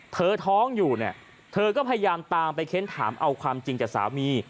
ท้องอยู่เนี่ยเธอก็พยายามตามไปเค้นถามเอาความจริงจากสามี